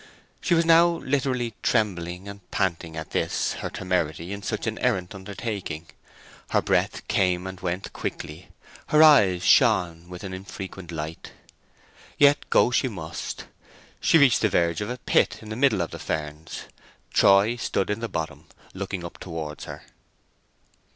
She was now literally trembling and panting at this her temerity in such an errant undertaking; her breath came and went quickly, and her eyes shone with an infrequent light. Yet go she must. She reached the verge of a pit in the middle of the ferns. Troy stood in the bottom, looking up towards her.